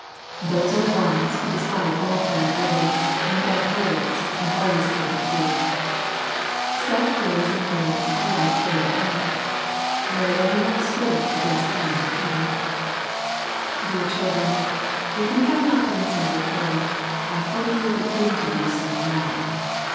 Those are wise who dislike all bad ways, and bad words, and always tell the truth. Such boys and girls are like the little ants. They arc IsLying up store against time to CQme« 48 SERMONS TO CHILDREN. Dear children, if you have not done so before I hope you will begin to do so now.